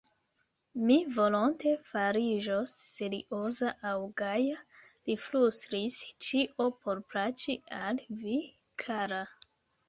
Mi volonte fariĝos serioza aŭ gaja, li flustris ; ĉio por plaĉi al vi, kara.